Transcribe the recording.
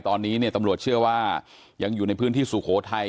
ตอนนี้เนี่ยตำรวจเชื่อว่ายังอยู่ในพื้นที่สุโขทัย